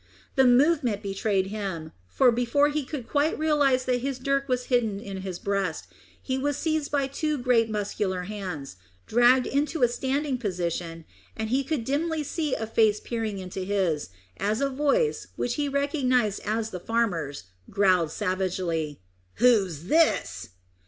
The movement betrayed him, for, before he could quite realise that his dirk was hidden in his breast, he was seized by two great muscular hands, dragged into a standing position, and he could dimly see a face peering into his, as a voice, which he recognised as the farmer's, growled savagely "Who's this?"